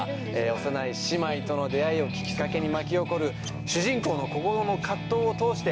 幼い姉妹との出会いをきっかけに巻き起こる主人公の心の藤を通して。